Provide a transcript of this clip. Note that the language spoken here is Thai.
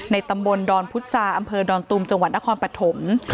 ตำบลดอนพุษาอำเภอดอนตุมจังหวัดนครปฐม